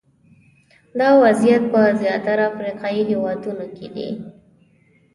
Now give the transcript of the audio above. دا وضعیت په زیاتره افریقایي هېوادونو کې دی.